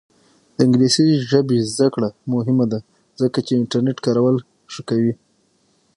د انګلیسي ژبې زده کړه مهمه ده ځکه چې انټرنیټ کارول ښه کوي.